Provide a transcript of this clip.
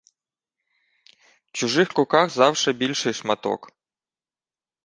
В чужих руках завше більший шматок.